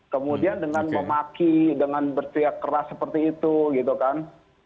kemudian dengan memaki dengan berteriak keras seperti itu gitu kan